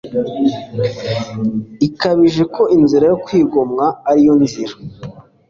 ikabije ko inzira yo kwigomwa ari yo nzira